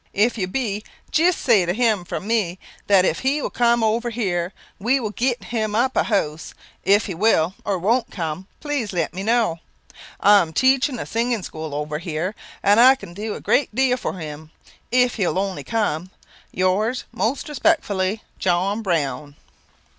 If you be, jist say to him, from me, that if he will come over here, we will get him up a house. If he will or won't cum please let me know. I am teaching a singing school over here, and I can do a great deal for him, if he will only cum. "Yours, most respectfully, "John Browne."